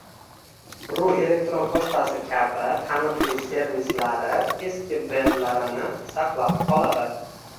ru elektron pochtasi kabi taniqli servislari eski brendlarini saqlab qoladi